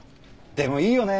でもいいよね。